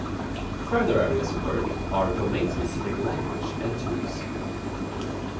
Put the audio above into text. Further areas of work are domain specific language and tools.